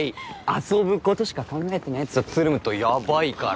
遊ぶことしか考えてない奴とつるむとヤバいから。